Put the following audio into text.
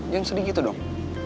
jangan sedikit tuh dong